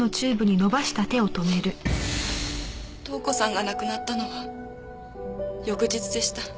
塔子さんが亡くなったのは翌日でした。